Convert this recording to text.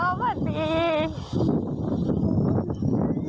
สวัสดีสวัสดี